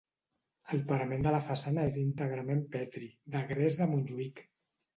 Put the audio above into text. El parament de la façana és íntegrament petri, de gres de Montjuïc.